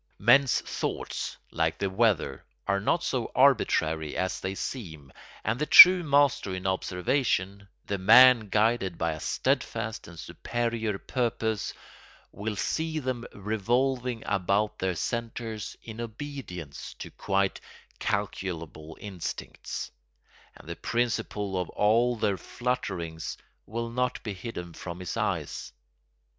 Men's thoughts, like the weather, are not so arbitrary as they seem and the true master in observation, the man guided by a steadfast and superior purpose, will see them revolving about their centres in obedience to quite calculable instincts, and the principle of all their flutterings will not be hidden from his eyes.